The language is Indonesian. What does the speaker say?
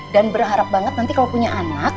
dan berharap banget nanti kalau punya anak